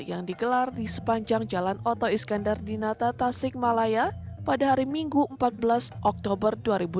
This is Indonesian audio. yang digelar di sepanjang jalan oto iskandar di nata tasik malaya pada hari minggu empat belas oktober dua ribu dua puluh